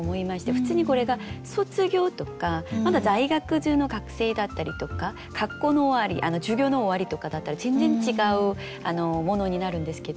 普通にこれが「卒業」とかまだ在学中の学生だったりとか学校の終わり「授業の終わり」とかだったら全然違うものになるんですけど。